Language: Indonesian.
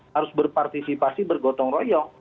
harus berpartisipasi bergotong royong